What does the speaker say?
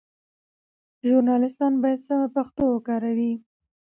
ژورنالیستان باید سمه پښتو وکاروي.